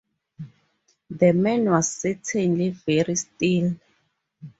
The man was certainly very still.